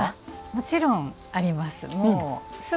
もちろん、あります。